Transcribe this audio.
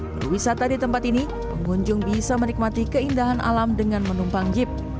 berwisata di tempat ini pengunjung bisa menikmati keindahan alam dengan menumpang jeep